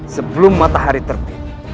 sebelum matahari terbit